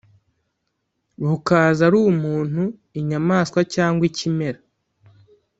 bukaza ari umuntu, inyamaswa cyangwa ikimera.